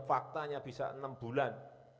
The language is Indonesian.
faktanya bisa enam bulan